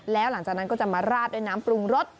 แล้วหลังจากนั้นก็จะมาราดด้วยน้ำปรุงรส